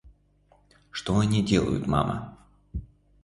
Что они делают, мама?